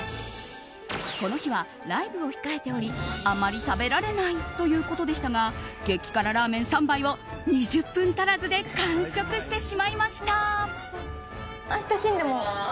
この日はライブを控えておりあまり食べられないということでしたが激辛ラーメン３杯を２０分足らずで完食してしまいました。